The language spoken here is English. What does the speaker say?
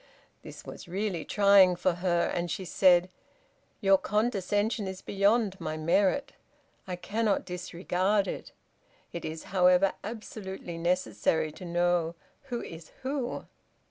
This was really trying for her, and she said, "Your condescension is beyond my merit. I cannot disregard it. It is, however, absolutely necessary to know 'Who is who.'"